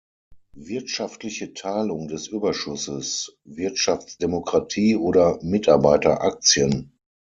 Wirtschaftliche Teilung des Überschusses, Wirtschaftsdemokratie oder Mitarbeiteraktien.